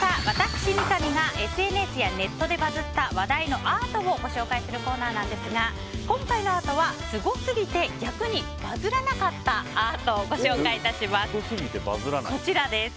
私、三上がＳＮＳやネットでバズった話題のアートをご紹介するコーナーなんですが今回のアートはすごすぎて逆にバズらなかったアートをご紹介致します。